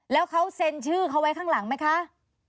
แล้วเขาเซ็นชื่อเขาไว้ข้างหลังไหมคะ